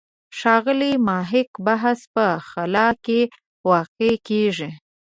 ښاغلي محق بحث په خلا کې واقع کېږي.